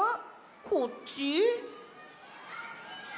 こっち？